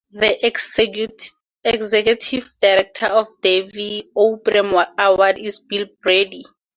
The Executive Director of the Davey O'Brien Award is Bill Brady.